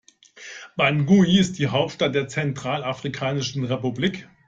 Bangui ist die Hauptstadt der Zentralafrikanischen Republik.